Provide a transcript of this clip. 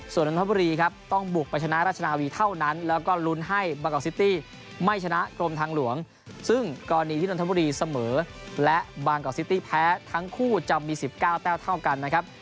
ส่วนนนทบุรีครับต้องบุกไปชนะราชนาวีเท่านั้นแล้วก็ลุ้นให้บางกอกซิตี้ไม่ชนะกรมทางหลวงซึ่งกรณีที่นนทบุรีเสมอและบางกอกซิตี้แพ้ทั้งคู่จะมี๑๙แต้วเท่ากันนะครับ